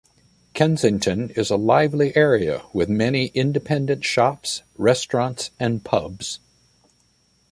Kensington is a lively area with many independent shops, restaurants and pubs.